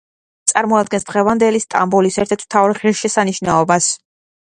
წარმოადგენს დღევანდელი სტამბოლის ერთ-ერთ მთავარ ღირსშესანიშნაობას.